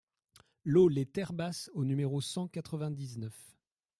LOT LES TERRES BASSES au numéro cent quatre-vingt-dix-neuf